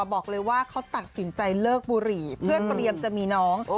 บอกเลยว่าเขาตัดสินใจเลิกบุหรี่เพื่อเตรียมจะมีน้อง